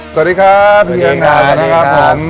สวัสดีครับพี่ยังไงสวัสดีครับ